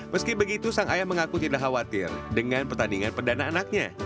meski begitu sang ayah mengaku tidak khawatir dengan pertandingan perdana anaknya